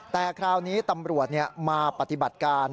แต่คราวนี้ตำรวจมาปฏิบัติการ